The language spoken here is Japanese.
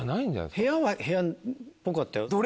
部屋は部屋っぽかったよ。